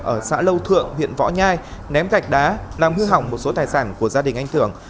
ở xã lâu thượng huyện võ nhai ném gạch đá làm hư hỏng một số tài sản của gia đình anh thưởng